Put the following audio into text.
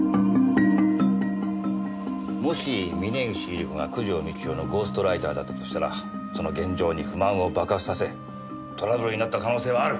もし峰岸百合子が九条美千代のゴーストライターだったとしたらその現状に不満を爆発させトラブルになった可能性はある！